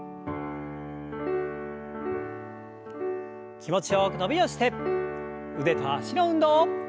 気持ちよく伸びをして腕と脚の運動。